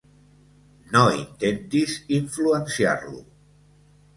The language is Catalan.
No intentis influenciar-lo.